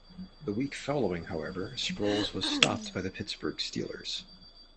The week following however, Sproles was stopped by the Pittsburgh Steelers.